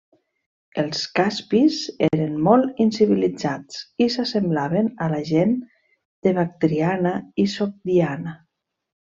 Els caspis eren molt incivilitzats i s'assemblaven a la gent de Bactriana i Sogdiana.